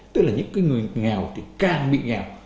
tức là những người nghèo thì càng bị nghèo